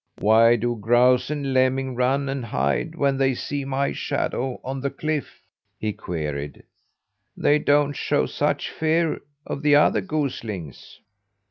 "Why do grouse and lemming run and hide when they see my shadow on the cliff?" he queried. "They don't show such fear of the other goslings."